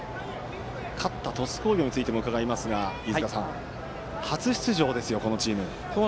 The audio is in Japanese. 勝った鳥栖工業についても伺いますが初出場ですよ、このチーム。